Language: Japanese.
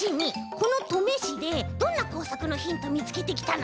この登米市でどんなこうさくのヒントみつけてきたの？